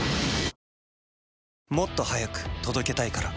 もっと速く届けたいから。